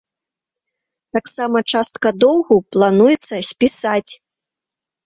Таксама частка доўгу плануецца спісаць.